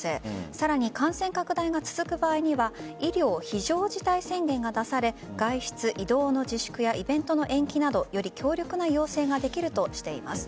さらに感染拡大が続く場合には医療非常事態宣言が出され外出、移動の自粛やイベントの延期など、より強力な要請ができるとしています。